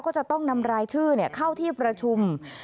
ก็จะต้องนำรายชื่อเข้าที่ประชุม